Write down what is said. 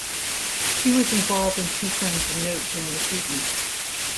He was involved in two frames of note during the season.